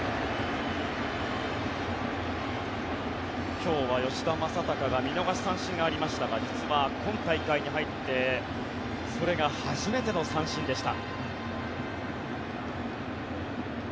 今日は吉田正尚が見逃し三振がありましたが実は今大会に入ってそれが初めての三振でした。